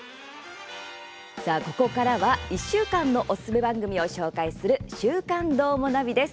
ここからは１週間のおすすめ番組を紹介する「週刊どーもナビ」です。